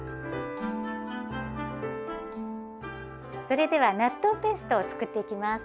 それでは納豆ペーストを作っていきます。